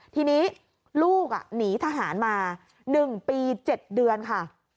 ทีนี้ลูกหนีทหารมา๑ปี๗เดือนค่ะ